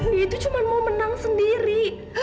dia itu cuma mau menang sendiri